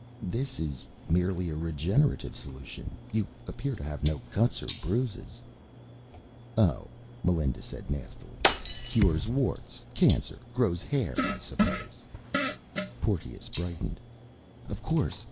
"This is merely a regenerative solution. You appear to have no cuts or bruises." "Oh," said Melinda nastily. "Cures warts, cancer, grows hair, I suppose." Porteous brightened. "Of course.